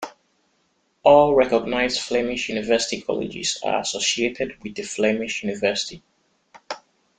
All recognised Flemish university colleges are associated with a Flemish university.